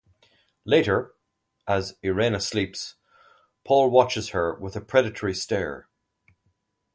Later, as Irena sleeps, Paul watches her with a predatory stare.